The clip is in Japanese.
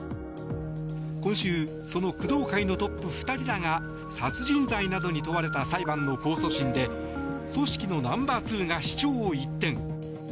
今週、その工藤会のトップ２人らが殺人罪などに問われた裁判の控訴審で組織のナンバー２が主張を一転。